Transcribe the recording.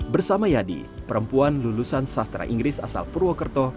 bersama yadi perempuan lulusan sastra inggris asal purwokerto